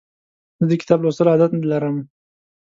زه د کتاب لوستلو عادت لرم.